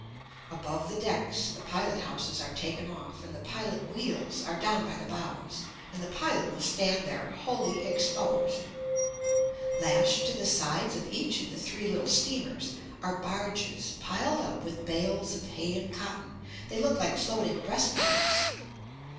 Above the decks the pilot houses are taken off and the pilot wheels are down by the bows, and the pilot will stand there wholly exposed. Lashed to the sides of each of the three little steamers are barges piled up with bales of hay and cotton. They look like floating breastworks.